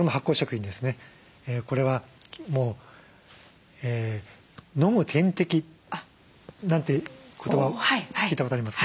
これはもう「飲む点滴」なんて言葉聞いたことありますか？